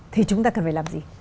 thì chúng ta cần phải làm gì